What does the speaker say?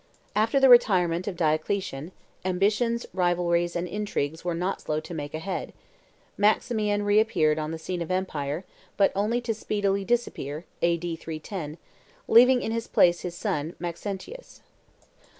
After the retirement of Diocletian, ambitions, rivalries, and intrigues were not slow to make head; Maximian reappeared on the scene of empire, but only to speedily disappear (A.D. 310), leaving in his place his son Maxentius.